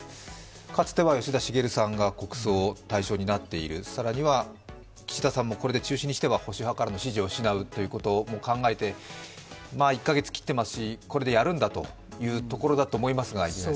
かつては吉田茂さんが国葬の対象になっている、更には岸田さんも、これで中止にしては保守派からの支持を失うということで、１か月切っていますし、これでやるんだということだと思うんですが？